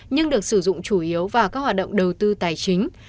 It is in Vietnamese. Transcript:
nhưng được sử dụng chủ yếu vào các hoạt động đầu tư tài chính